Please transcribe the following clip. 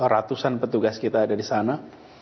ratusan petugas kita ada di sana